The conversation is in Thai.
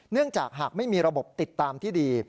เนื่องจากหากไม่มีระบบติดตามที่ดี